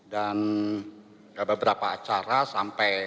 dan beberapa acara sampai